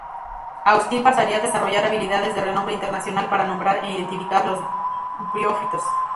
Austin pasaría a desarrollar habilidades de renombre internacional para nombrar e identificar los briófitos.